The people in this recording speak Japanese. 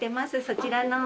そちらの。